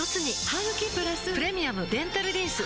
ハグキプラス「プレミアムデンタルリンス」